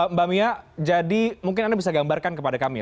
mbak mia jadi mungkin anda bisa gambarkan kepada kami ya